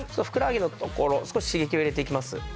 ふくらはぎのところ少し刺激を入れていきます。